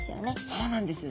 そうなんです。